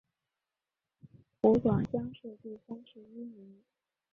湖广乡试第三十一名。